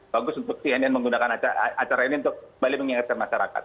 bagus untuk cnn menggunakan acara ini untuk balik mengingatkan masyarakat